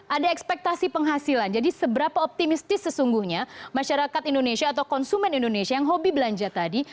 ada ekspektasi penghasilan jadi seberapa optimistis sesungguhnya masyarakat indonesia atau konsumen indonesia yang hobi belanja tadi